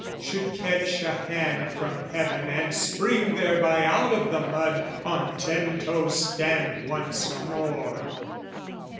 Should catch a hand from heaven and spring thereby Out of the mud, on ten toes stand once more.